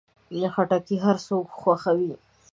خټکی هر څوک خوښوي.